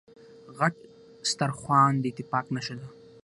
غټ سترخوان داتفاق نښه ده.